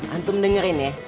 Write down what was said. antum dengerin ya